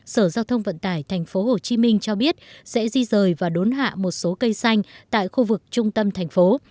sở giao thông vận tải tp hcm cho biết sẽ di rời và đốn hạ một số cây xanh tại khu vực trung tâm thành phố